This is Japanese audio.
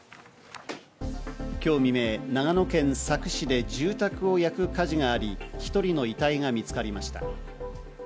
今日未明、長野県佐久市で住宅を焼く火事があり、１人の遺体が見つかりました。